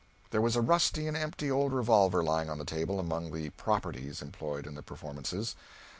There was a rusty and empty old revolver lying on the table, among the "properties" employed in the performances.